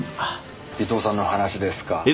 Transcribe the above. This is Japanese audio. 尾藤さんの話ですか？